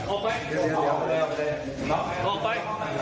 ออกไปออกไป